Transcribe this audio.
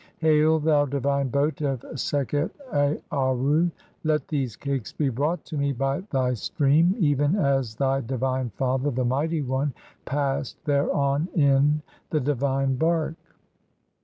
Hail, thou divine boat of Sekhet "Aarru, let these cakes be brought to me (4) by thy stream, "even as thy divine father, the mighty one, passed thereon in "the divine bark."